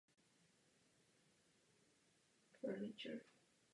Přejděme na svobodnou tržní ekonomiku.